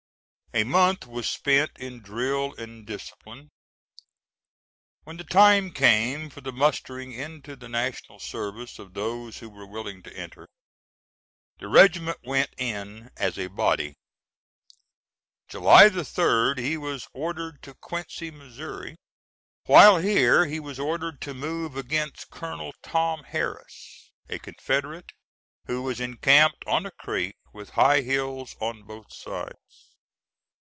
A month was spent in drill and discipline; when the time came for the mustering into the national service of those who were willing to enter, the regiment went in as a body. July 3d he was ordered to Quincy, Mo. While here he was ordered to move against Colonel Tom Harris, a Confederate, who was encamped on a creek with high hills on both sides.